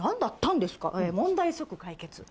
「問題即解決」。